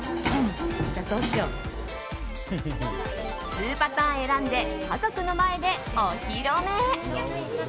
数パターン選んで家族の前でお披露目。